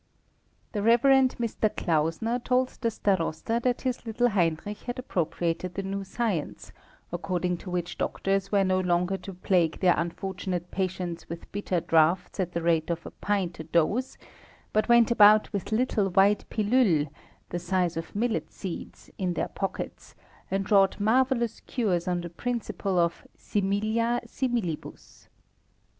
The Rev. Mr. Klausner told the Starosta that his little Heinrich had appropriated the new science, according to which doctors were no longer to plague their unfortunate patients with bitter draughts at the rate of a pint a dose; but went about with little white pillules, the size of millet seeds, in their pockets, and wrought marvellous cures on the principle of similia similibus.